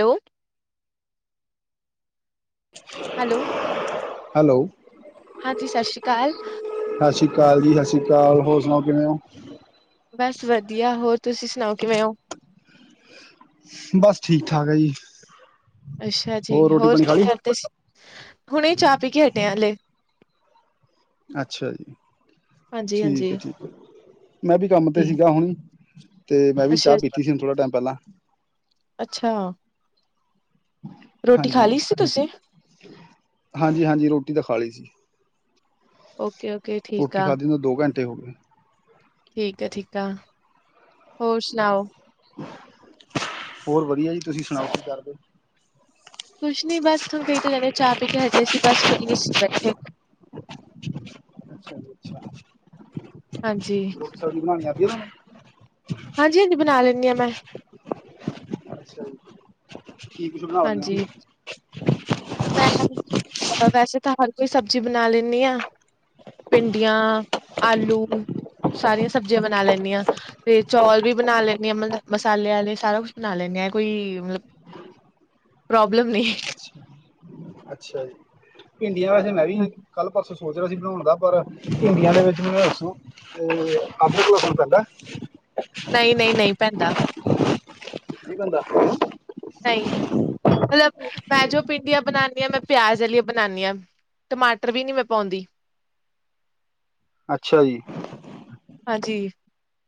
Hello. [unintelligible] Hello. Hello. ਹਾਂਜੀ ਸ਼ਸੀ਼ ਕਾਲ। ਸਾ਼ਸੀ਼ ਕਾਲ ਜੀ ਸਾ਼ਸੀ਼ ਕਾਲ ਹੋਰ ਸੁਣਾਓ ਕਿਵੇਂ ਔ? ਬਸ ਵਧੀਆ ਹੋਰ ਤੁਸੀ ਸੁਣਾਓ ਕਿਵੇਂ ਓ? ਬਸ ਠੀਕ-ਠਾਕ ਹੈ ਜੀ। ਅੱਸਾ਼ ਜੀ, ਰੋਟੀ ਹੋਰ ਪਾਣੀ ਖਾ ਕੀ ਲਈ ਕਰਦੇ ਸੀ? ਹੁਣੇ ਚਾਹ ਪੀ ਕੇ ਹੱਟੇ ਆਂ ਹੱਲੇ। ਅੱਛਾ ਜੀ, ਹਾਂਜੀ, ਠੀਕ ਹਾਂਜੀ ਏ ਠੀਕ ਏ, ਮੈਂ ਵੀ ਕੰਮ ਤੇ ਜੀ ਸੀਗਾ ਹੁਣ। ਤੇ ਮੈਂ ਵੀ ਅੱਛਾ, ਚਾਹ ਪੀਤੀ ਸੀ ਹੁਣ ਥੋੜ੍ਹਾ ਟੈਮ ਪੈਲਾਂ। ਅੱਛਾ। ਰੋਟੀ ਖਾਲੀ ਸੀ ਤੁਸੀਂ? ਹਾਂਜੀ-ਹਾਂਜੀ ਰੋਟੀ ਤਾਂ ਖਾ਼ ਲੀ਼ ਸੀ। ਓਕੇ-ਓਕੇ। ਰੋਟੀ ਖਾਧੀ ਨੂ ਦੋ ਘਾੰਟੇ ਹੋ ਗੇ। ਠੀਕ ਆ ਠੀਕ ਆ, ਹੋਰ ਸੁਣਾਓ? ਹੋਰ ਵਧੀਆ ਜੀ ਤੁਸੀ ਸੁਣਾਓ ਕੀ ਕਰਦੇ? ਕੁੱਛ ਨੀ ਬਸ ਥੋਨੂੰ ਕਈ ਤਾਂ ਜਾਦੇ ਚਾਹ ਪੀ ਕੇ ਹਟੇ ਸੀ ਬਸ [unintelligible] ਸੀ ਬੈਠੇ। ਅੱਛਾ ਜੀ ਅੱਛਾ। ਹਾਂਜੀ। ਰੋਟੀ ਸਬਜ਼ੀ ਬਣਾਣੀ ਆਂਦੀ ਆ ਤਾਂਨੂ? ਹਾਂਜੀ ਹਾਂਜੀ, ਬਨਾ ਲੈਂਨੀ ਆਂ ਮੈਂ। ਠੀਕ [unintelligible] ਹਾਂਜੀ। [unintelligible] ਮੈਂ ਵੈਸੇ ਤਾਂ ਹਰ ਕੋਈ ਸਬਜ਼ੀ ਬਨਾ ਲੈਨੀ ਆਂ। ਪਿੰਡੀਆਂ, ਆਲੂ, ਸਾਰੀਆਂ ਸਬਜ਼ੀਆਂ ਬਨਾ ਲੈਂਨੀ ਆਂ। ਤੇ ਚੌਲ ਵੀ ਬਨਾ ਲੈਂਨੀ ਆਂ ਮ ਬ ਮਸਾਲੇ ਆਲੇ ਸਾਰਾ ਕੁਸ਼ ਬਣਾ ਲੈਂਨੀ ਐਂ ਕੋਈ ਮਤਲਬ। ਪ੍ਰੌਬਲਮ ਨਈਂ। ਅੱਛਾ ਅੱਛਾ, ਭਿੰਡੀਆਂ ਵਾਸਤੇ ਮੈਂ ਵੀ। ਕੱਲ੍ਹ-ਪਰਸੋਂ ਸੋਚ ਰਿਹਾ ਸੀ ਬਣਾਉਣ ਦਾ। ਪਰ ਭਿੰਡੀਆਂ ਦੇ ਵਿੱਚ ਮੈਨੂੰ ਇਹ ਦੱਸੋ। ਉਹ ਅਦਰਕ ਲਸਨ ਪੈਂਦਾ ਐ? ਨਈ ਨਈ ਨਈ ਪੈਂਦਾ। ਨਹੀਂ ਪੈਂਦਾ? ਨਹੀਂ, ਮਤਲਬ ਮੈਂ ਜੋ ਭਿੰਡੀਆਂ ਬਣਾਨੀ ਆ, ਮੈਂ ਪਿਆਜ ਵਾਲੀਆਂ, ਬਣਾਨੀ ਆ। ਟਮਾਟਰ ਵੀ ਨੀ ਮੈਂ ਪਾਉਂਦੀ। ਅੱਛਾ ਜੀ। ਹਾਂਜੀ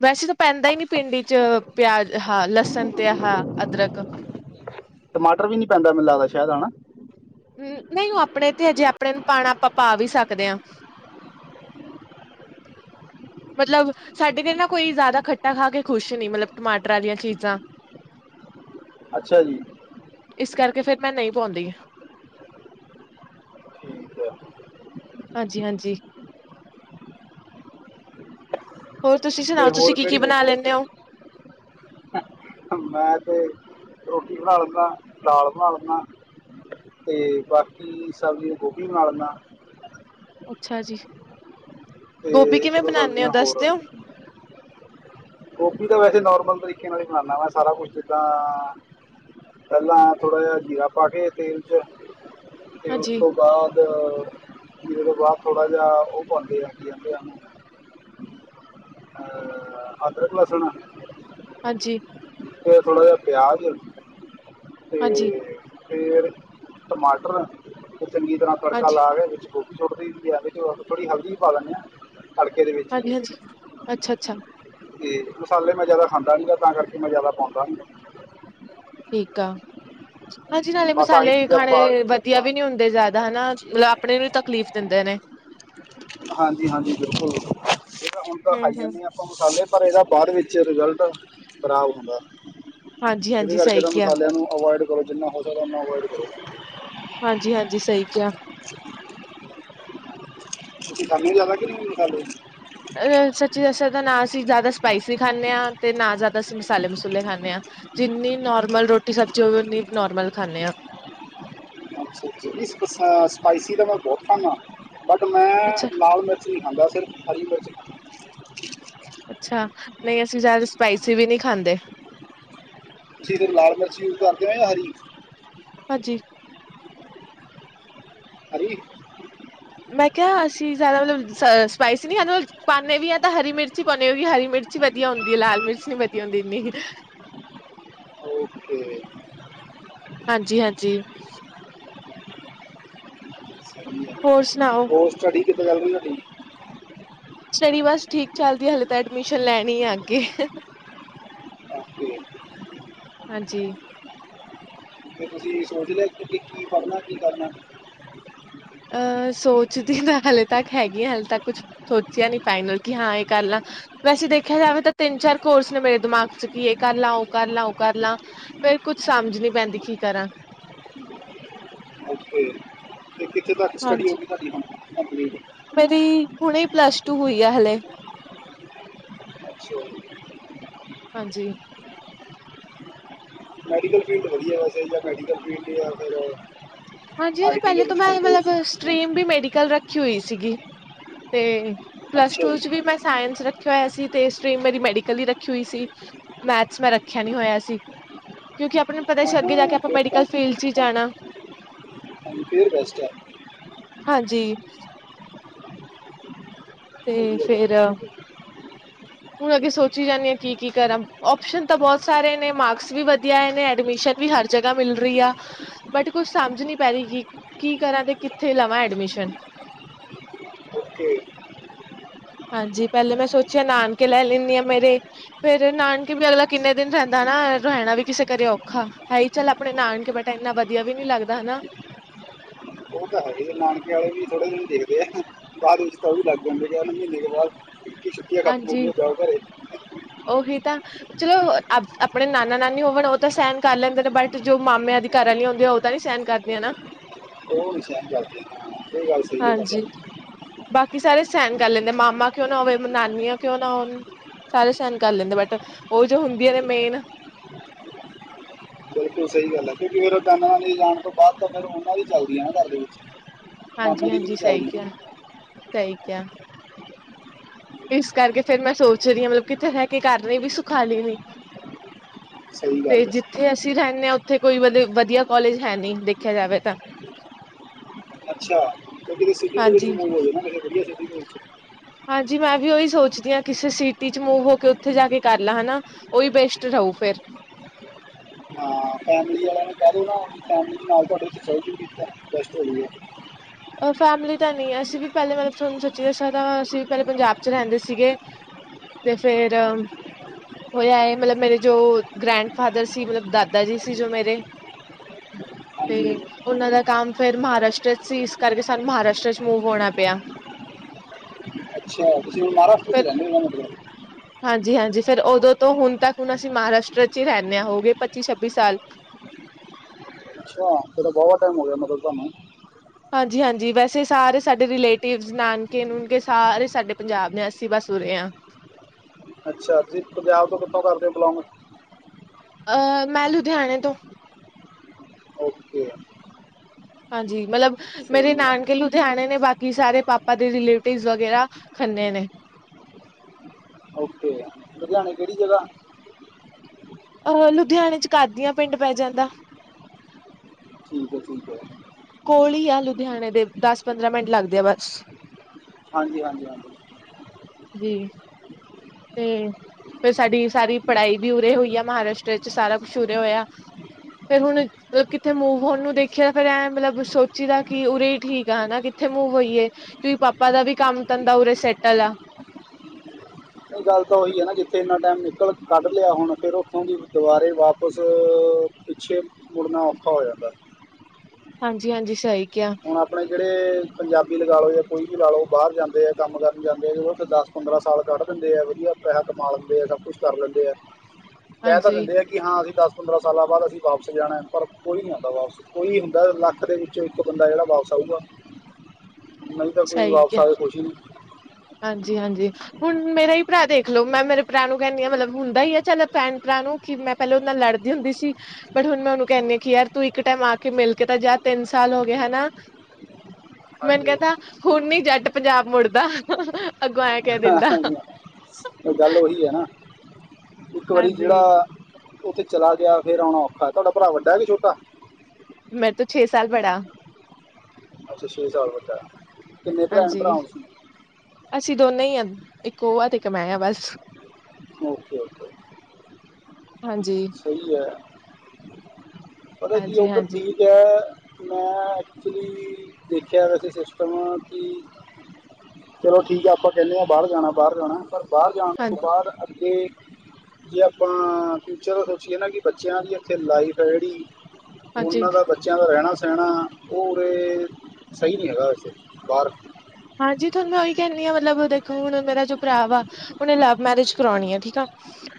ਵੈਸੇ ਤਾਂ ਪੈਂਦਾ ਹੀ ਨੀ ਭਿੰਡੀ ਚ ਪਿਆਜ। ਹਾਂ, ਲਸਣ ਤੇ ਹਾਂ ਅਦਰਕ। ਟਮਾਟਰ ਵੀ ਨੀ ਪੈਂਦਾ ਮੈਨੂੰ ਲਗਦਾ ਸ਼ਾਇਦ ਹਨਾ। ਨਹੀਂ ਉਹ ਆਪਣੇ ਤੇ, ਅਜੇ ਆਪਣੇ ਨੂੰ ਪਾਣਾ ਆਪਾਂ ਪਾ ਵੀ ਸਕਦੇ ਹਾਂ? [unintelligible] ਮਤਲਬ, ਸਾਡੇ ਵੀ ਨਾ, ਕੋਈ ਜ਼ਿਆਦਾ ਖੱਟਾ ਖਾ ਕੇ ਖੁਸ਼ ਨਈ, ਮਤਲਬ ਟਮਾਟਰ ਵਾਲੀਆਂ ਚੀਜ਼ਾਂ। ਅੱਛਾ ਜੀ। ਇਸ ਕਰਕੇ ਫੇਰ ਮੈਂ ਨਹੀ ਪਾਉਂਦੀ। ਠੀਕ ਹੈ ਹਾਂਜੀ-ਹਾਂਜੀ। ਹੋਰ ਤੁਸੀ ਤੇ ਸੁਣਾਓ, ਤੁਸੀ ਹੋਰ ਕੀ ਕੀ ਕਿਹੜੀ ਬਣਾ ਲੈਂਨੇ ਓ? ਮੈਂ ਤੇ ਰੋਟੀ ਬਣਾ ਲੈਂਦਾ ਦਾਲ ਬਣਾ ਲੈਂਦਾ। ਤੇ ਬਾਕੀ ਸਬਜੀ ਗੋਭੀ ਬਣਾ ਲੈਂਦਾ। ਅੱਛਾ ਜੀ, ਤੇ ਗੋਭੀ ਇੱਕ ਕਿਵੇਂ ਦੋ ਬਣਾਉਦੇ ਹੋ ਸਬਜ਼ੀਆਂ ਦੱਸ ਹੋਰ ਦਿਓ? ਗੋਭੀ ਤਾਂ ਵੈਸੇ ਨੋਰਮਲ ਤਰੀਕੇ ਨਾਲ ਹੀ ਬਣਾਨਾ ਵਾਂ ਸਾਰਾ ਕੁਛ ਜਿੱਦਾਂ। ਪਹਿਲਾਂ ਥੋੜ੍ਹਾ ਜਿਹਾ ਜੀਰਾ ਪਾ ਕੇ ਤੇਲ ਚ ਤੇ ਉਸ ਹਾਂਜੀ-ਹਾਂਜੀ, ਤੋਂ। ਬਾਅਦ ਜੀਰੇ ਤੋਂ ਬਾਅਦ ਥੋੜ੍ਹਾ ਜਿਹਾ ਉਹ ਪਾਉਂਦੇ ਆ ਕੀ ਕਹਿੰਦੇ ਉਹਨੂੰ। ਅਦਰਕ ਲਸਣ। ਹਾਂਜੀ ਤੇ ਥੋੜਾ ਜਿਹਾ ਪਿਆਜ ਹਾਂਜੀ-ਹਾਂਜੀ, ਤੇ। ਫਿਰ ਟਮਾਟਰ ਉਹ ਚੰਗੀ ਤਰ੍ਹਾਂ ਤੜਕਾ ਲਾ ਕੇ ਵਿੱਚ ਗੋਭੀ। ਸੁੱਟਦੀ ਆ ਵਿੱਚ ਥੋੜੀ ਹਲਦੀ ਪਾ ਲੈਂਦੇ ਹਾਂ। ਤੜਕੇ ਦੇ ਵਿੱਚ ਹੀ ਹਾਂਜੀ, ਹਾਂਜੀ ਅੱਛਾ, ਅੱਛਾ। ਤੇ ਮਸਾਲੇ ਮੈਂ ਜਿਆਦਾ ਖਾਂਦਾ ਨੀਗਾ ਤਾਂ ਕਰਕੇ ਮੈਂ ਜਿਆਦਾ ਪਾਉਂਦਾ ਨਹੀ। ਠੀਕ ਆ, ਹਾਂਜੀ ਨਾਲੇ ਬਸ ਆਹੀ ਮਸਾਲੇ ਚੀਜ਼ਾਂ ਪਾ ਖਾਣੇ। ਕੇ ਵਧੀਆ ਵੀ ਨਹੀਂ ਹੁੰਦੇ ਜ਼ਿਆਦਾ ਹਨਾ ਮਤਲਬ ਆਪਣੇ ਨੂੰ ਤਕਲੀਫ਼ ਦਿੰਦੇ ਨੇ। ਹਾਂਜੀ ਹਾਂਜੀ ਬਿਲਕੁਲ ਜੀ ਤਾਂ ਹੁਣ ਤਾਂ ਖਾਈ ਹੂੰ-ਹੂੰ ਜਾਂਦੇ ਹਾਂ। ਹੁਣ ਖਾ ਲਏ ਪਰ ਇਹਦਾ ਬਾਅਦ ਵਿੱਚ ਰਿਜ਼ਲਟ ਖ਼ਰਾਬ ਹੁੰਦਾ। ਇਹਦੇ ਹਾਂਜੀ-ਹਾਂਜੀ ਕਰਕੇ ਸਹੀ ਇਹ ਕਿਹਾ ਮਸਾਲਿਆਂ ਨੂੰ ਅਵੋਇਡ ਕਰੋ ਜਿੰਨਾ ਹੋ ਸਕਦਾ ਉਨਾ ਅਵੋਇਡ ਕਰੋ। ਹਾਂਜੀ, ਹਾਂਜੀ ਸਹੀ ਕਿਹਾ। ਤੁਸੀਂ ਕੰਮ ਹੀ ਖਾਂਦੇ ਕੇ ਜਿਆਦਾ ਖਾਂਦੇ? ਅ ਸੱਚੀ ਦੱਸਿਆ ਤਾਂ ਨਾ ਅਸੀਂ ਜਿਆਦਾ ਸਪਾਇਸੀ ਖਾਂਦੇ ਹਾਂ ਤੇ ਨਾ ਜ਼ਿਆਦਾ ਅਸੀਂ ਮਸਾਲੇ ਮਸੂਲੇ ਖਾਂਦੇ ਹਾਂ। ਜਿੰਨੀ ਨੋਰਮਲ ਰੋਟੀ ਸਬਜ਼ੀ ਹੋਵੇ ਉਨੀ ਨੋਰਮਲ ਖਾਂਦੇ ਹਾਂ। ਜੀ ਨਹੀਂ ਸਪਾਈਸੀ ਤਾਂ ਮੈਂ ਬਹੁਤ ਖਾਂਦਾ ਬਟ ਮੈਂ ਅੱਛਾ ਲਾਲ ਮਿਰਚ। ਲਾਲ ਮਿਰਚ ਨਹੀਂ ਖਾਂਦਾ, ਸਿਰਫ ਹਰੀ ਮਿਰਚ ਖਾਂਦਾ। ਅੱਛਾ ਨਹੀਂ ਅਸੀਂ ਜ਼ਿਆਦਾ ਸਪਾਇਸੀ ਵੀ ਨਹੀਂ ਖਾਂਦੇ। ਤੁਸੀ ਲਾਲ ਮਿਰਚ ਯੂਜ ਕਰਦੇ ਹੋ ਜਾਂ ਹਰੀ? ਹਾਂਜੀ ਹਰੀ। ਮੈਂ ਕਿਹਾ ਅਸੀਂ ਜ਼ਿਆਦਾ ਮਤਲਬ ਸ ਸਪਾਈਸੀ ਨਹੀਂ ਮਤਲਬ ਪਾਉਂਦੇ ਵੀ ਹਏ ਤਾਂ ਹਰੀ ਮਿਰਚ ਹੀ ਪਾਉਂਦੇ ਹਾਂ ਹਰੀ ਮਿਰਚ। ਹਰੀ ਮਿਰਚ ਵਧੀਆ ਹੁੰਦੀ ਹੈ ਲਾਲ ਮਿਰਚ ਨੀ ਵਧੀਆ ਹੁੰਦੀ ਇੰਨੀ। ਓਕੇ। ਹਾਂਜੀ-ਹਾਂਜੀ ਸਹੀ ਹੈ ਹੋਰ ਸੁਣਾਓ? ਹੋਰ ਸਟੱਡੀ ਕਿਦਾ ਚੱਲ ਰਹੀ ਤੁਹਾਡੀ? ਸਟੱਡੀ ਬਸ ਠੀਕ ਚੱਲਦੀ, ਹਾਲੇ ਤਾਂ ਐਡਮਿਸ਼ਨ ਲੈਣੀ ਅੱਗੇ ੳਕੇ। ਹਾਂਜੀ। ਕੀ ਸੋਚ ਲੈ ਕੀ ਪੜ੍ਹਨਾ ਕੀ ਕਰਨਾ? ਅਹ ਸੋਚਦੀ ਤਾਂ ਹਾਲੇ ਤੱਕ ਹੈਗੀ ਆ, ਹਾਲੇ ਤੱਕ ਕੁਛ ਸੋਚਿਆ ਨੀ ਫਾਈਨਲ, ਕਿ ਹਾਂ ਇਹ ਕਰ ਲ ਵੈਸੇ ਦੇਖਿਆ ਜਾਵੇ ਤਾਂ ਤਿੰਨ ਚਾਰ ਕੋਰਸ ਨੇ ਮੇਰੇ ਦਿਮਾਗ 'ਚ ਕਿ ਇਹ ਕਰ ਲਾ, ਉਹ ਕਰ ਲਾ, ਉਹ ਕਰ ਲਾ ਫੇ ਕੁੱਛ ਸਮਝ ਨੀ ਪੈਂਦੀ ਕੀ ਕਰਾਂ ਅਤੇ ਕਿੱਥੇ ਤੱਕ ਸਟੱਡੀ ਹਾਂਜੀ। ਹੋਊਗੀ ਤੁਹਾਡੀ ਹੁਨ ਕੰਪਲੀਟ? ਮੇਰੀ ਹੁਣੇ ਪਲੱਸ ਟੂ ਹੋਈ ਆ ਹਲੇ ਅਛਾ। ਹਾਂਜੀ। ਮੈਡੀਕਲ ਫੀਲਡ ਵਧੀਆ ਵੈਸੇ ਜਾਂ ਮੈਡੀਕਲ ਫੀਲਡ, ਜਾਂ ਫਿਰ ਹਾਂਜੀ ਹਾਂ ਆਈਟੀ ਦੇ ਪਹਿਲੇ ਤੋਂ ਵਿੱਚ ਮੈਂ ਕੋਈ ਮਤਲਬ ਕੋਰਸ ਸਟ੍ਰਰੀਮ ਵੀ ਮੈਡੀਕਲ ਰੱਖੀ ਹੋਈ ਸੀਗੀ, ਤੇ ਪਲੱਸ ਅੱਛਾ ਟੂ ਚ ਜੀ ਵੀ ਮੈਂ ਸਾਇੰਸ ਰੱਖਿਆ ਹੋਇਆ ਸੀ, ਤੇ ਸਟਰੀਮ ਮੇਰੀ ਮੈਡੀਕਲ ਹੀ ਰੱਖੀ ਹੋਈ ਸੀ, ਮੈਥਸ ਮੈਂ ਰੱਖਿਆ ਨੀ ਹੋਇਆ ਸੀ ਕਿਉਂਕਿ ਆਪਾਂ ਨੂੰ ਪਤਾ ਹਾਂ ਸੀ ਅੱਗੇ ਜਾ ਕੇ ਹਾਂ ਆਪਾਂ ਫਿਰ ਤਾਂ ਮੈਡੀਕਲ ਫੀਲਡ 'ਚ ਹੀ ਜਾਣਾ ਐ ਫਅਰ ਬੈਸਟ ਹੈ। ਹਾਂਜੀ। ਤੇ ਫੇਰ ਹਮ ਹੁਣ ਅੱਗੇ ਸੋਚੀ ਜਾਂਦੀ ਹਾਂ ਕੀ ਕੀ ਕਰਾ, ਓਪਸ਼ਨ ਤਾਂ ਬਹੁਤ ਸਾਰੇ ਨੇ, ਮਾਰਕਸ ਵੀ ਵਧੀਆ ਆਏ ਨੇ ਐਡਮਿਸ਼ਨ ਵੀ ਹਰ ਜਗ੍ਹਾ ਮਿਲ ਰਹੀ ਆ। ਬਟ ਕੁਛ ਸਮਝ ਨੀ ਪੈ ਰਹੀ, ਕੀ ਕਰਾਂ ਤੇ ਕਿੱਥੇ ਲਵਾਂ ਐਡਮਿਸ਼ਨ? ਓਕੇ ਹਾਂਜੀ, ਪਹਿਲੇ ਮੈਂ ਸੋਚਿਆ ਨਾਨਕੇ ਰਹਿ ਲੈਂਦੀ ਹਾਂ ਮੇਰੇ ਫੇਰ ਨਾਨਕੇ ਵੀ ਅਗਲਾ ਕਿੰਨੇ ਦਿਨ ਰਹਿੰਦਾ ਨਾ, ਰਹਿਣਾ ਵੀ ਕਿਸੇ ਕਰੇ ਔਖਾ ਹੈ ਹੀ ਚੱਲ ਆਪਣੇ ਨਾਨਕੇ ਬੈਠਾ, ਇੰਨਾ ਵਧੀਆ ਵੀ ਨੀ ਲੱਗਦਾ ਹਨਾ- ਉਹ ਤਾਂ ਹੈ ਈ ਨਾਨਕੇ ਵਾਲੇ ਵੀ ਥੜੇ ਦਿਨ ਦੇਖਦੇ ਆ, ਬਾਅਦ ਵਿੱਚ ਤਾਂ ਉਹ ਵੀ ਲੱਗ ਆਦੇ ਮਹੀਨੇ ਬਾਅਦ ਛੁੱਟੀਆਂ ਖਤਮ ਹੋ ਹਾਂਜੀ, ਗਈਆਂ ਜਾਓ ਘਰੇ ਉਹੀ ਤਾਂ ਚਲੋ ਆਪਣੇ ਨਾਨਾ ਨਾਨੀ ਹੋਵਣ ਉਹ ਤਾਂ ਸਹਿਣ ਕਰ ਲੈਂਦੇ ਨੇ, ਬਟ ਜੋ ਮਾਮਿਆਂ ਦੀ ਘਰ ਵਾਲੀਆਂ ਹੁੰਦੀਆਂ ਉਹ ਤਾਂ ਨੀ ਸਹਿਣ ਕਰਦੀਆਂ ਨਾ ਉਹ ਨੀ ਸਹਿਣ ਕਰਦੀਆ, ਗੱਲ ਇਹ ਗੱਲ ਸਹੀ ਹੈ ਹਾਂਜੀ ਤੁਹਾਡੀ ਬਾਕੀ ਸਾਰੇ ਸਹਿਣ ਕਰ ਲੈਂਦੇ, ਮਾਮਾ ਕਿਉਂ ਨਾ ਹੋਵੇ ਨਾਨੀਆਂ ਕਿਉਂ ਨਾ ਹੋਉਣ, ਸਾਰੇ ਸਹਿਣ ਕਰ ਲੈਂਦੇ ਬਟ ਉਹ ਜੋ ਹੁੰਦੀਆਂ ਨੇ ਮੇਨ ਸਹੀ ਗੱਲ ਹੈ ਕਿਉਂਕਿ ਫੇਰ ਨਾਨਾ ਨਾਨੀ ਜਾਣ ਤੋਂ ਬਾਅਦ ਤਾਂ ਫੇਿਰ ਉਹਨਾਂ ਦੀ ਚੱਲਦੀ ਹੈ ਨਾ ਘਰ ਦੇ ਵਿੱਚ ਮਾਮਾ ਹਾਂਜੀ ਦੀ ਵੀ ਹਾਂਜੀ ਨ ਸਹੀ ਚਲਦੀ ਕਿਹਾ ਸਹੀ ਕਿਆ। ਇਸ ਕਰਕੇ ਫਿਰ ਮੈਂ ਸੋਚ ਰਹੀ ਹਾਂ ਮਤਲਬ ਕਿੱਥੇ ਰਹਿ ਕੇ ਕਰ ਲਈ ਵੀ ਸੁਖਾਲੀ ਰਹੇ ਸਹੀ ਤੇ ਗੱਲ ਜਿਥੇ- ਹੈ ਜਿਥੇ ਅਸੀਂ ਰਹਿੰਦੇ ਹਾਂ ਉੱਥੇ ਕੋਈ ਵ ਵਧੀਆ ਕੋਲਜ ਹੈ ਨਹੀਂ, ਦੇਖਿਆ ਜਾਵੇ ਤਾਂ ਅੱਛਾ। ਹਾਂਜੀ ਹਾਂਜੀ ਮੈਂ ਵੀ ਉਹੀ ਸੋਚਦੀ ਹਾਂ ਕਿਸੇ ਸਿਟੀ ਚ ਮੂਵ ਹੋ ਕੇ ਉੱਥੇ ਜਾ ਕੇ ਕਰ ਲਾ, ਹਨਾ ਉਹੀ ਬੈਸਟ ਰਹੋ ਫੇਰ ਹਾਂ ਫੈਮਿਲੀ ਵਾਲਿਆਂ ਨੇ ਕਹਿ ਲ ਨਾ, ਫੈਮਿਲੀ ਨਾਲ ਤੁਹਾਡੇ ਐਡਜਸਟ ਹੋਊ, ਬੈਸਟ ੳਹੀ ਹੈ ਫੈਮਿਲੀ ਤਾਂ ਨਹੀਂ, ਅਸੀਂ ਵੀ ਪਹਿਲੇ ਮਤਲਬ ਤੁਹਾਨੂੰ ਸੱਚੀ ਦੱਸਾਂ ਤਾਂ ਅਸੀਂ ਵੀ ਪਹਿਲੇ ਪੰਜਾਬ 'ਚ ਰਹਿੰਦੇ ਸੀਗੇ ਤੇ ਫੇਰ ਹੋਇਆ ਇਹ ਮਤਲਬ ਮੇਰੇ ਜੋ ਗ੍ਰੈਂਡ ਫਾਦਰ ਸੀ, ਮਤਲਬ ਦਾਦਾ ਜੀ ਸੀ ਜੋ ਮੇਰੇ ਹਾਂਜੀ ਤੇ ਉਹਨਾਂ ਦਾ ਕੰਮ ਫੇਰ ਮਹਾਰਾਸ਼ਟਰ 'ਚ ਸੀ। ਕਰਕੇ ਸਾਨੂੰ ਮਹਾਰਾਸ਼ਟਰ ਚ ਮੂਵ ਹੋਣਾ ਪਿਆ। ਅੱਛਾ ਤੁਸੀਂ ਮਹਾਰਾਸ਼ਟਰ ਚ ਰਹਿਣੇ ਹੋ ਇਦਾ ਮਤਲਬ। ਹਾਂਜੀ-ਹਾਂਜੀ ਉਦੋ ਤੋ ਹੁਣ ਤੱਕ ਹੁਣ ਅਸੀ ਮਹਾਰਾਸ਼ਟਰ ਚ ਹੀ ਰਹਿੰਨੇ ਹਾ ਹੋ ਗਏ ਪੱਚੀ-ਛੱਬੀ ਸਾਲ। ਅੱਛਾ ਫੇਰ ਤੇ ਬੋਹਤ ਟੈਮ ਹੋ ਗਿਆ ਮਤਲਬ ਤੁਹਾਨੂੰ। ਹਾਂਜੀ-ਹਾਂਜੀ ਵੈਸੇ ਸਾਰੇ ਸਾਡੇ ਰਿਲੇਟਿਵਸ ਨਾਨਕੇ ਨੂਨਕੇ ਸਾਰੇ ਸਾਡੇ ਪੰਜਾਬ ਨੇ ਅਸੀਂ ਬਸ ਉਰੇ ਹਾਂ। ਅੱਛਾ ਜੀ ਪੰਜਾਬ ਤੋਂ ਕਿੱਥੋਂ ਕਰਦੇ ਬਿਲੋਂਗ। ਅਹ ਮੈਂ ਲੁਧਿਆਣੇ ਤੋਂ। ਓਕੇ। ਹਾਂਜੀ ਮਲਬ ਮੇਰੇ ਸਹੀ ਹੈ ਨਾਨਕੇ ਲੁਧਿਆਣੇ ਨੇ ਬਾਕੀ ਸਾਰੇ ਪਾਪਾ ਦੇ ਰਿਲੇਟਿਵ ਵਗੈਰਾ ਖੰਨੇ ਨੇ। ਓਕੇ ਲੁਧਿਆਣੇ ਕਿਹੜੀ ਜਗ੍ਹਾ? ਅਹ ਲੁਧਿਆਣੇ ਚ ਕਾਦੀਆਂ ਪਿੰਡ ਪੈ ਜਾਂਦਾ। ਠੀਕ ਹੈ-ਠੀਕ ਹੈ। ਕੋਲੀ ਆ ਲੁਧਿਆਣੇ ਦੇ ਦਸ-ਪੰਦਰਾਂ ਮਿੰਟ ਲੱਗਦੇ ਆ ਬਸ। ਹਾਂਜੀ-ਹਾਂਜੀ, ਹਾਂਜੀ। ਜੀ ਤੇ ਫੇਰ ਸਾਡੀ ਸਾਰੀ ਪੜ੍ਹਾਈ ਵੀ ਉਰੇ ਹੋਈ ਆ ਮਹਾਰਾਸ਼ਟਰ ਵਿੱਚ ਸਾਰਾ ਕੁਛ ਉਰੇ ਹੋਇਆ। ਤੇ ਹੁਣ ਮਤਲਬ ਕਿੱਥੇ ਮੂਵ ਹੋਣ ਨੂੰ ਦੇਖਿਆ ਫੇਰ ਐਂ ਮਤਲਬ ਸੋਚੀ ਦਾ ਕਿ ਉਰੇ ਹੀ ਠੀਕ ਆ ਕਿੱਥੇ ਮੂਵ ਹੋਈਏ। ਤੁ ਪਾਪਾ ਦਾ ਵੀ ਕੰਮ ਤਾਂੰਦਾ ਉਰੇ ਸੈਟਲ ਆ। ਇਹ ਗੱਲ ਤਾਂ ਉਹੀ ਹੈ ਨਾ ਜਿੱਥੇ ਇੰਨਾ ਟਾਈਮ ਨਿਕਲ ਕੱਢ ਲਿਆ ਹੁਣ ਫਿਰ ਉੱਥੋਂ ਦੀ ਦੁਬਾਰੇ ਵਾਪਸ ਪਿੱਛੇ ਮੁੜਨਾ ਔਖਾ ਹੋ ਜਾਂਦਾ। ਹਾਂਜੀ-ਹਾਂਜੀ ਸਹੀ ਕਿਹਾ। ਹੁਣ ਆਪਣੇ ਜਿਹੜੇ ਪੰਜਾਬੀ ਲਗਾ ਲੋ ਜਾਂ ਕੋਈ ਵੀ ਲਾ ਲੋ ਬਾਰ ਜਾਂਦੇ ਆ ਕੰਮ ਕਰਨ ਜਾਂਦੇ ਆ ਉਹ ਤਾਂ ਦੱਸ ਪੰਦਰਾਂ ਸਾਲ ਕੱਢ ਦਿੰਦੇ ਆ ਵਧੀਆ ਪੈਹਾ ਕਮਾ ਲੈਂਦੇ ਆ, ਸਭ ਕੁਛ ਕਰ ਲੈਂਦੇ ਹੈ ਕਹਿ ਤਾ ਹਾਂਜੀ ਦਿੰਦੇ ਆ ਕਿ ਕਿ ਹਾਂ ਅਸੀਂ ਦੱਸ ਪੰਦਰਾਂ ਸਾਲਾਂ ਬਾਦ ਅਸੀਂ ਵਾਪਸ ਜਾਣਾ ਪਰ ਕੋਈ ਨਹੀਂ ਆਉਂਦਾ ਵਾਪਸ ਕੋਈ ਹੁੰਦਾ ਲੱਖ ਦੇ ਵਿੱਚ ਇੱਕ ਬੰਦਾ ਜਿੜਾ ਵਾਪਸ ਆਊਗਾ ਨਹੀ ਤਾਂ ਕੋਈ ਵਾਪਸ ਆਏ ਖੁਸ਼ ਹੀ ਨੀ। ਹਾਂਜੀ-ਹਾਂਜੀ। ਹੁਣ ਮੇਰਾ ਹੀ ਭਰਾ ਦੇਖ ਲੋ ਮੈਂ ਮੇਰੇ ਭਰਾ ਨੂੰ ਕਹਿੰਦੀ ਹਾਂ ਮਤਲਬ ਹੁੰਦਾ ਹੀ ਹੈ ਚੱਲ ਭੈਣ ਭਰਾ ਨੂੰ ਕਿ ਮੈਂ ਪਹਿਲਾਂ ਉਹਦੇ ਨਾਲ ਲੜਦੀ ਹੁੰਦੀ ਸੀ। ਬਟ ਹੁਣ ਮੈਂ ਉਹਨੂੰ ਕਹਿੰਦੀ ਹਾਂ ਕਿ ਯਾਰ ਤੂੰ ਇੱਕ ਟਾਈਮ ਆ ਕੇ ਮਿਲ ਕੇ ਤਾ ਜਾ ਤਿੰਨ ਸਾਲ ਹੋ ਗਿਆ ਹਨਾ। ਮੈਨੂੰ ਹਾਂਜੀ ਕਹਿੰਦਾ ਹੁਣ ਨੀ ਜੱਟ ਪੰਜਾਬ ਮੁੜਦਾ ਅੱਗੋ ਇਦਾ ਕਿਹ ਦਿੰਦਾ। ਇਹ ਗੱਲ ਉਹੀ ਹੈ ਨਾ ਇੱਕ ਵਾਰੀ ਹਾਂਜੀ ਜਿਹੜਾ ਉੱਥੇ ਚਲਾ ਗਿਆ ਫੇਰ ਆਉਣਾ ਔਖਾ ਤੁਹਾਡਾ ਭਰਾ ਵੱਡਾ ਹੈ ਕਿ ਛੋਟਾ? ਮੇਰੇ ਤੋਂ ਛੇ ਸਾਲ ਬੜਾ। ਅੱਛਾ ਛੇਹ ਸਾਲ ਵੱਡਾ। ਕਿੰਨੇ ਭੈਣ ਹਾਂਜੀ ਭਰਾ ਹੋ ਤੁਸੀਂ ਅਸੀਂ ਦੋਨੇ ਹੀ ਆ ਇੱਕ ਉਹ ਆ ਤੇ ਇੱਕ ਮੈਂ ਆ ਬਸ। ਓਕੇ-ਓਕੇ। ਹਾਂਜੀ। ਸਹੀ ਹੈ। ਪਤਾ ਕੀ ਹਾਂਜੀ ੳਧੱਰ ਹਾਂਜੀ ਦੀ ਮੈਂ ਐਕਚੁਲੀ ਦੇਖਿਆ ਵੈਸੇ ਸਿਸਟਮ ਕਿ ਚਲੋ ਠੀਕ ਆ ਆਪਾ ਕਹਿੰਨੇ ਹਾ ਬਾਰ ਜਾਣਾ, ਬਾਰ ਜਾਣਾ ਪਰ ਬਾਰ ਜਾਣ ਹਾਂ ਤੋਂ ਬਾਦ ਅੱਗੇ ਜੇ ਆਪਾਂ ਫਿਊਚਰ ਸੋਚੀਏ ਨਾ ਕਿ ਬੱਚਿਆਂ ਦੀ ਇੱਥੇ ਲਾਈਫ ਹੈ ਜਿਹੜੀ ਹਾਂਜੀ ਉਹਨਾਂ ਦਾ ਬ ਬੱਚਿਆਂ ਦਾ ਰਹਿਣਾ ਸਹਿਣਾ ਉਹ ਉਰੇ ਸਹੀ ਨੀ ਹੈਗਾ ੳੱਥੇ ਬਾਰ। ਹਾਂਜੀ ਤੁਹਾਨੂੰ ਮੈਂ ਉਹੀ ਕਹਿੰਦੀ ਹਾਂ ਮਤਲਬ ਦੇਖੋ ਹੁਣ ਮੇਰਾ ਜੋ ਭਰਾ ਵਾ ਉਹਨੇ ਲਵ ਮੈਰਿਜ ਕਰਉਣੀ ਹੈ ਠੀਕ ਆ।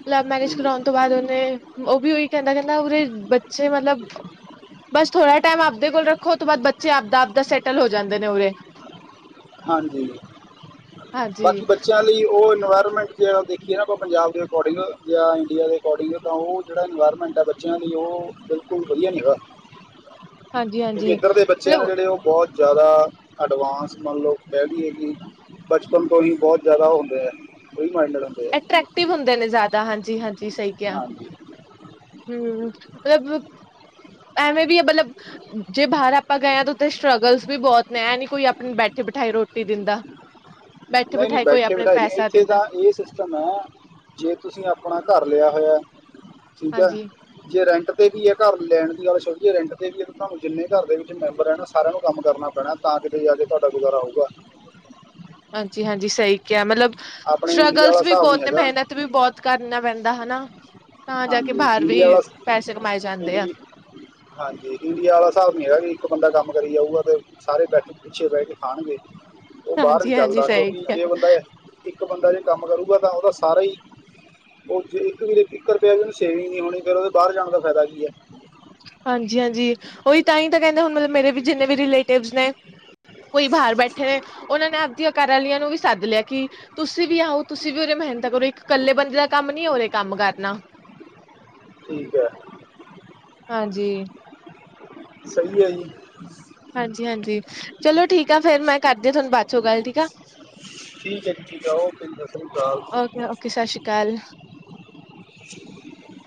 ਲਵ ਮੈਰਿਜ ਕਰਾਉਣ ਤੋਂ ਬਾਅਦ ਉਹਨੇ ਉਹ ਵੀ ਉਹੀ ਕਹਿੰਦਾ ਕਹਿੰਦਾ ਉਰੇ ਬੱਚੇ ਮਤਲਬ ਬਸ ਥੋੜਾ ਟਾਈਮ ਆਪਦੇ ਕੋਲ ਰੱਖੋ ਉਹ ਤੋਂ ਬਾਦ ਬੱਚੇ ਆਪਦਾ-ਆਪਦਾ ਸੈਟਲ ਹੋ ਜਾਂਦੇ ਨੇ ਉਰੇ। ਹਾਂਜੀ, ਹਾਂਜੀ ਬਾਕੀ ਬੱਚਿਆਂ ਲਈ ਉਹ ਇਨਵਾਇਰਮੈਂਟ ਜਿਹੜਾ ਉਹ ਦੇਖ। ਖੀ ਇਹ ਨਾ ਉਹ ਪੰਜਾਬ ਦੇ ਅਕੋਡਿੰਗ ਜਾਂ ਇੰਡੀਆ ਦੇ ਅਕੋਡਿੰਗ ਤਾਂ ਉਹ ਜਿਹੜਾ ਇਨਵਾਇਰਮੈਂਟ ਐ ਬੱਚਿਆਂ ਦੀ ਉਹ ਕੋਈ ਵਧੀਆ ਨੀ ਹੈਗਾ ਹਾਂਜੀ ਕਿਉਂਕਿ ਹਾਂਜੀ ਇੱਧਰ ਦੇ ਬੱਚਿਆਂ ਨੇ ਮਤਲਬ ਜਿਹੜੇ ਉਹ ਬਹੁਤ ਜ਼ਿਆਦਾ ਐਡਵਾਂਸ ਮੰਨ ਲਓ। ਕਿਹ ਲਈਏ ਕਿ ਬਚਪਨ ਤੋਂ ਹੀ ਬਹੁਤ ਜ਼ਿਆਦਾ ਹੁੰਦੇ ਐ ਫਰੀ ਮੰਡ ਹੁੰਦੇ ਆ। ਅਟਰੈਕਟਿਵ ਹੁੰਦੇ ਨੇ ਜ਼ਿਆਦਾ ਹਾਂਜੀ-ਹਾਂਜੀ ਸਹੀ ਕਿਹਾ। ਹਾਂਜੀ ਹੂੰ ਮਤਲਬ ਐਵੇਂ ਵੀ ਹੈ ਮਤਲਬ। ਜੇ ਬਾਹਰ ਆਪਾਂ ਗਏ ਹਾਂ ਤਾਂ ਉੱਥੇ ਸਟ੍ਰਗਲਸ ਵੀ ਬੋਤ ਨੇ ਇਹ ਨੀ ਕੋਈ ਆਪਣੇ ਬੈਠੇ ਬਿਠਾਈ ਰੋਟੀ ਦਿੰਦਾ ਬੈਠੇ ਨਈ-ਨਈ ਬਿਠਾਏ ਕੋਈ ਬੈਠੇ ਆਪਣੇ ਬੈਠਾਈਏ ਪੈਸਾ ਇੱਥੇ ਦਿੰਦਾ ਤਾਂ ਇਹ ਸਿਸ ਤਾਂ ਮੈਂ, ਜੇ ਤੁਸੀਂ ਆਪਣਾ ਘਰ ਲਿਆ ਹੋਇਆ ਠੀਕ ਐ ਹਾਂਜੀ। ਜੇ ਰੈਂਟ ਤੇ ਵੀ ਏ ਘਰ ਲੈਣ ਦੀ ਗੱਲ ਸੋਚਿਏ ਰੈਂਟ 'ਤੇ ਵੀ ਐ, ਤੁਹਾਨੂੰ ਜਿੰਨੇ ਘਰ ਦੇ ਵਿੱਚ ਮੈਂਬਰ ਏ ਨਾ ਸਾਰਿਆਂ ਨੂੰ ਕੰਮ ਕਰਨਾ। ਪੈਣਾ ਤਾਂ ਕਿ ਅੱਜ ਤੁਹਾਡਾ ਗੁਜ਼ਾਰਾ ਹੋਊਗਾ। ਹਾਂਜੀ-ਹਾਂਜੀ, ਸਹੀ ਕਿਹਾ ਮਤਲਬ ਆਪਣੇ ਇੰਡੀਆ ਵਾਲਾ ਸਟਰਗਲਸ ਵੀ ਹਿਸਾਬ ਨਹੀਂ ਬਹੁਤ ਨੇ ਹੈਗਾ ਮਿਹਨਤ ਵੀ ਬੋਤ ਕਰਨਾ ਪੈਂਦਾ ਹੈਨਾ। ਹਾਂਜੀ, ਇੰਡੀਆ ਵਾਸਤੇ ਕਮਾਏ ਜਾਂਦੇ ਆ ਇੰਡੀਆ ਹਾਂਜੀ, ਇੰਡੀਆ ਆਲਾ ਹਿਸਾਬ ਨੀ ਹੈਗਾ ਵੀ ਇੱਕ ਬੰਦਾ ਕੰਮ ਕਰੀ ਜਾਊਗਾ ਤੇ ਸਾਰੇ ਬੈਠੇ ਪਿੱਛੇ ਬਹਿ ਕੇ ਖਾਣਗੇ। ਉਹ ਬਾਹਰ ਨਹੀਂ ਹਾਂਜੀ-ਹਾਂਜੀ ਚੱਲਦਾ ਸਹੀ ਕਿਉਂਕਿ ਜੇ ਬੰਦਾ ਇੱਕ ਬੰਦਾ ਜੇ ਕੰਮ ਕਰੇਗਾ ਤਾਂ ਉਹਦਾ ਸਾਰਾ ਹੀ ਉਹ ਜੇ ਇੱਕ ਵੀ ਇੱਕ ਰੁਪਆ ਵੀ ਉਹਨੂੰ ਸੇਵਿੰਗ ਨਹੀਂ ਹੋਣੀ ਫਿਰ ਉਹਦੇ ਬਾਹਰ ਜਾ ਦਾ ਫਾਇਦਾ ਕੀ ਐ? ਹਾਂਜੀ-ਹਾਂਜੀ ਉਹੀ ਤਾਂ ਹੀ ਤਾਂ ਕਹਿੰਦੇ ਹੁਣ ਮਤਲਬ ਮੇਰੇ ਜਿੰਨੇ ਵੀ ਰਿਲੇਟਿਵਸ ਨੇ ਕੋਈ ਬਾਹਰ ਬੈਠੇ ਨੇ ਉਹਨਾਂ ਨੇ ਆਪਦੀਆਂ ਘਰ ਆਲੀਆਂ ਨੂੰ ਵੀ ਸੱਦ ਲਿਆ ਕਿ ਤੁਸੀਂ ਵੀ ਆਓ, ਤੁਸੀਂ ਵੀ ਉਰੇ ਮਿਹਨਤ ਕਰੋ। ਇੱਕ ਇਕੱਲੇ ਬੰਦੇ ਦਾ ਕੰਮ ਨੀ ਉਰੇ ਕੰਮ ਕਰਨਾ। ਠੀਕ ਐ। ਹਾਂਜੀ। ਸਹੀ ਐ ਜੀ। [inaudible] ਹਾਂਜੀ-ਹਾਂਜੀ ਚਲੋ ਠੀਕ ਆ ਫੇਰ ਮੈਂ ਕਰਦੀ ਤੁਹਾਨੂੰ ਬਾਦ ਚੋ ਗੱਲ ਠੀਕ ਆ। ਠੀਕ ਏ ਜੀ ਠੀਕ ਏ ਜੀ ਓਕੇ ਜੀ ਸਸ ਸ੍ਰੀ ਅਕਾਲ। ਹੈਲ [inaudible]